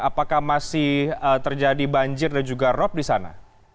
apakah masih terjadi banjir dan juga rop di sana